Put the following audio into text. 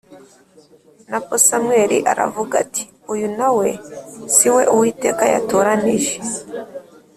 na bwo Samweli aravuga ati “Uyu na we si we Uwiteka yatoranije.”